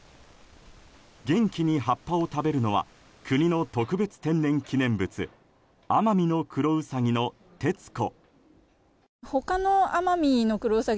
元気に葉っぱを食べるのは国の特別天然記念物アマミノクロウサギのテツコ。